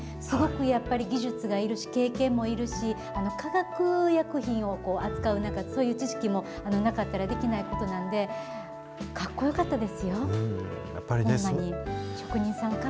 すごくやっぱり技術がいるし、経験もいるし、化学薬品を扱うそういう知識もなかったらできないことなんで、かっこよかったですよ、ほんまに。